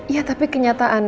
ya tapi kenyataannya